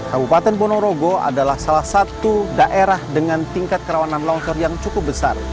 kabupaten ponorogo adalah salah satu daerah dengan tingkat kerawanan longsor yang cukup besar